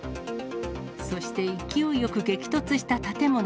そして勢いよく激突した建物。